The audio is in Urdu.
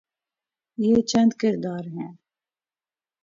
یہ چند کردار ہیں۔